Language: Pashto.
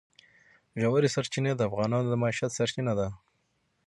ژورې سرچینې د افغانانو د معیشت سرچینه ده.